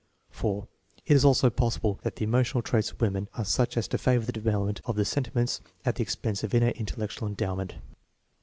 (4) It is also possible that the emotional traits of women are such as to favor the development of the sentiments at the expense of innate intellectual endowment.